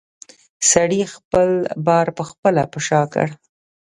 سړي خپل بار پخپله په شا کړ.